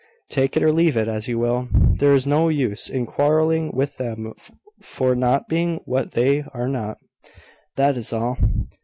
"Take it or leave it, as you will. There is no use in quarrelling with them for not being what they are not that is all.